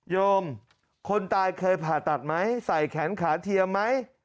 โยมคนตายเคยผ่าตัดไหมใส่แขนขาเทียมไหม